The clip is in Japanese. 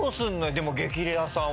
でも『激レアさん』は。